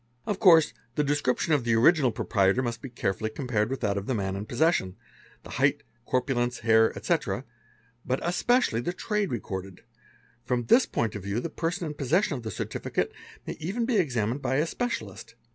"Of course the description of the original proprietor must be carefully ompared with that of the man in possession, the height, corpulence, hair, etc.; but especially the trade recorded: from this point of view the erson in possession of the certificate may even be examined by a specia 'list.